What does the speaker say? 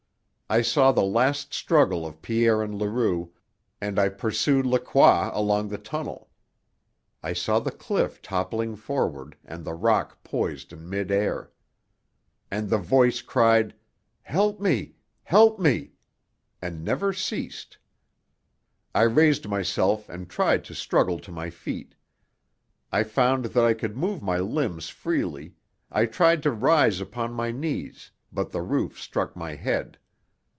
I saw the last struggle of Pierre and Leroux, and I pursued Lacroix along the tunnel. I saw the cliff toppling forward, and the rock poised in mid air. And the voice cried: "Help me! Help me!" and never ceased. I raised myself and tried to struggle to my feet. I found that I could move my limbs freely, I tried to rise upon my knees, but the roof struck my head.